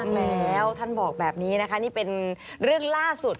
แล้วท่านบอกแบบนี้นะคะนี่เป็นเรื่องล่าสุด